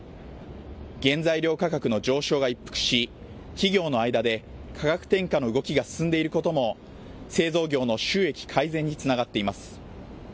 原材料価格の上昇が一服し企業の間で価格転嫁の動きが進んでいることも製造業の収益改善につながっています。